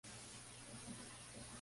Este tampoco podía ayudarlo.